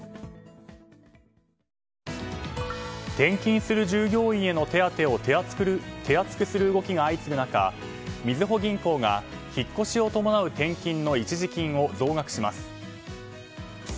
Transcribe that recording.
転勤する従業員への手当てを手厚くする動きが相次ぐ中みずほ銀行が引っ越しを伴う転勤の一時金を増額します。